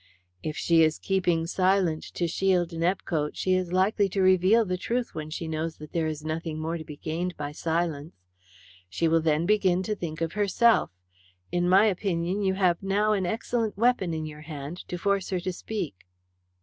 "If she is keeping silent to shield Nepcote, she is likely to reveal the truth when she knows that there is nothing more to be gained by silence. She will then begin to think of herself. In my opinion, you have now an excellent weapon in your hand to force her to speak."